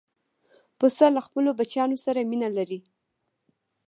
پسه له خپلو بچیانو سره مینه لري.